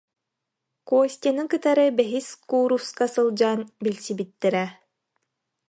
Костяны кытары бэһис кууруска сылдьан билси- биттэрэ